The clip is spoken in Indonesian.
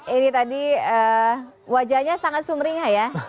ini tadi wajahnya sangat sumringah ya